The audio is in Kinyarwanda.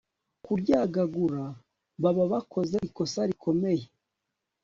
kuryagagura baba bakoze ikosa rikomeye